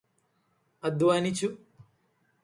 അദ്ധ്വാനിച്ചു്.